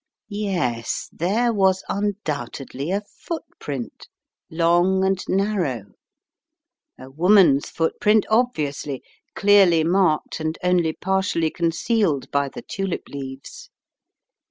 Yes, there was undoubtedly a footprint, long and narrow, a woman's footprint obviously, clearly marked and only partially concealed by the tulip leaves.